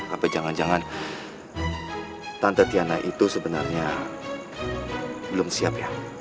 apa jangan jangan tante tiana itu sebenarnya belum siap ya